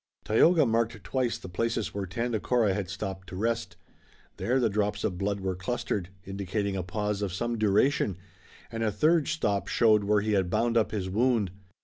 Tayoga marked twice the places where Tandakora had stopped to rest. There the drops of blood were clustered, indicating a pause of some duration, and a third stop showed where he had bound up his wound.